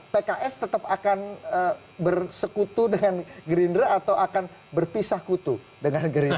pks tetap akan bersekutu dengan gerindra atau akan berpisah kutu dengan gerindra